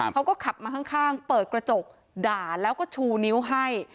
เขาก็ขับมาข้างเปิดกระจกด่าแล้วก็ชูนิ้วให้